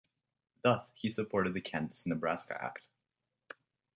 Thus, he supported the Kansas-Nebraska Act.